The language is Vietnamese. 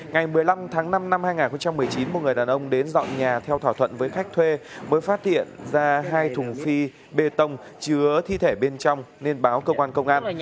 ngày một mươi năm tháng năm năm hai nghìn một mươi chín một người đàn ông đến dọn nhà theo thỏa thuận với khách thuê mới phát hiện ra hai thùng phi bê tông chứa thi thể bên trong nên báo cơ quan công an